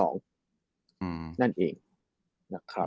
ไงเอาได้นะครับ